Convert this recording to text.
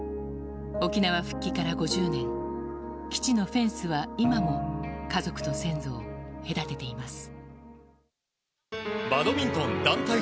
沖縄復帰から５０年基地のフェンスは今も家族と先祖を隔てています。